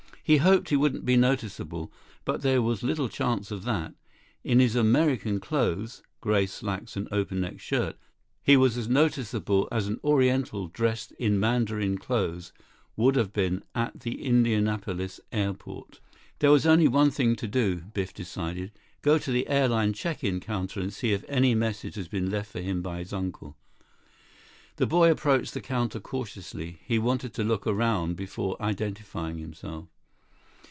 He hoped he wouldn't be noticeable, but there was little chance of that. In his American clothes, gray slacks and open necked shirt, he was as noticeable as an Oriental dressed in mandarin clothes would have been at the Indianapolis airport. There was only one thing to do, Biff decided. Go to the airline check in counter and see if any message had been left him by his uncle. The boy approached the counter cautiously. He wanted to look around before identifying himself.